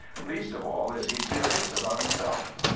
Least of all is he serious about himself.